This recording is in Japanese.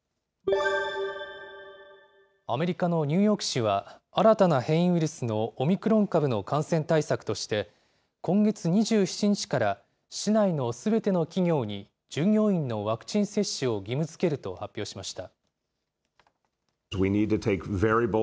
アメリカのニューヨーク市は、新たな変異ウイルスのオミクロン株の感染対策として、今月２７日から、市内のすべての企業に、従業員のワクチン接種を義務づけると発表しました。